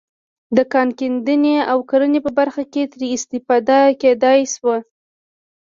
د کان کیندنې او کرنې په برخه کې ترې استفاده کېدای شوه.